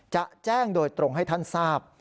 จะแจ้งโดยตรงให้ท่านทราบ